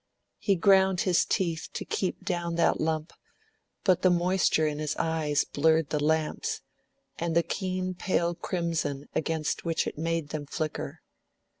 He ground his teeth to keep down that lump, but the moisture in his eyes blurred the lamps, and the keen pale crimson against which it made them flicker.